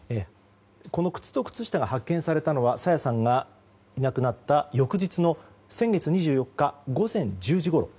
この靴と靴下が発見されたのは朝芽さんがいなくなった翌日の先月２４日午前１０時ごろ。